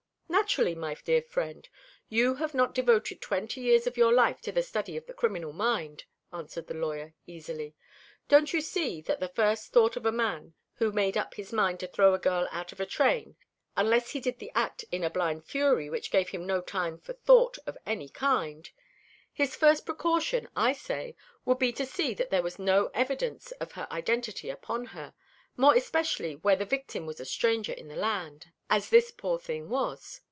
"Naturally, my dear friend. You have not devoted twenty years of your life to the study of the criminal mind," answered the lawyer easily. "Don't you see that the first thought of a man who made up his mind to throw a girl out of a train unless he did the act in a blind fury which gave him no time for thought of any kind his first precaution, I say, would be to see that there was no evidence of her identity upon her, more especially where the victim was a stranger in the land, as this poor thing was?